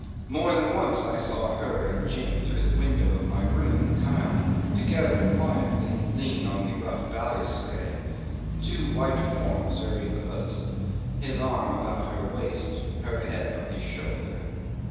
More than once I saw her and Jim through the window of my room come out together quietly and lean on the rough balustrade two white forms very close, his arm about her waist, her head on his shoulder.